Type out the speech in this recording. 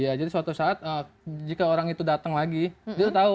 iya jadi suatu saat jika orang itu datang lagi dia tahu